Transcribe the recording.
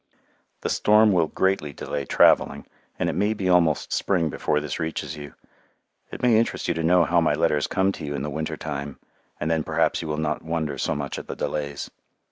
The storm will greatly delay travelling and it may be almost spring before this reaches you. It may interest you to know how my letters come to you in the winter time, and then perhaps you will not wonder so much at the delays.